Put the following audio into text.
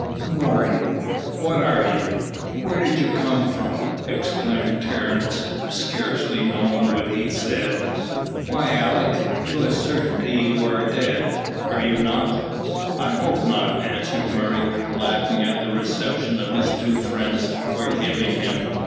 "Who are you? what are you? where do you come from?" exclaimed Terence, scarcely knowing what he said. "Why, Alick, to a certainty you are dead, are you not?" "I hope not," answered Murray, laughing at the reception his two friends were giving him.